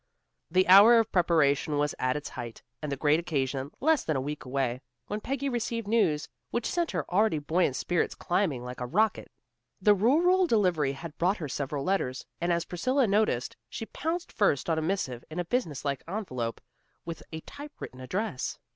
The hour of preparation was at its height, and the great occasion less than a week away, when Peggy received news which sent her already buoyant spirits climbing like a rocket. The rural delivery had brought her several letters, and as Priscilla noticed, she pounced first on a missive in a business like envelope, with a typewritten address.